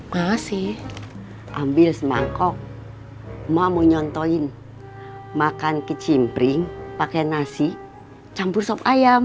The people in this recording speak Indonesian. masih ambil semangkok mama mau nyontoin makan kecimpring pakai nasi campur sop ayam